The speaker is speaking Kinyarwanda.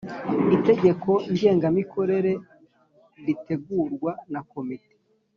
Itegeko ngengamikorere ritegurwa na komite